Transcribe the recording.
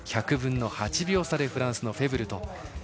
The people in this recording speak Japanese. １００分の８秒差でフランスのフェブルと。